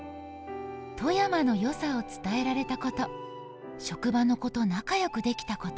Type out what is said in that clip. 富山の良さを伝えられたこと、職場の子と仲良くできたこと」。